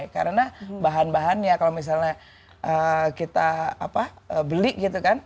karena bahan bahannya kalau misalnya kita beli gitu kan